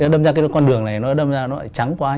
đâm ra cái con đường này nó đâm ra nó trắng quá